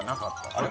あれ？